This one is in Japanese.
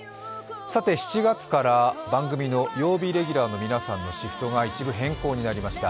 ７月から番組の曜日レギュラーの皆さんのシフトが一部変更になりました。